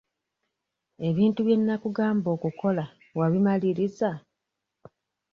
Ebintu bye nnakugamba okukola wabimaliriza?